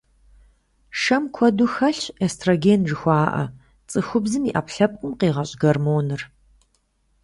Шэм куэду хэлъщ эстроген жыхуаӀэ, цӀыхубзым и Ӏэпкълъэпкъым къигъэщӀ гормоныр.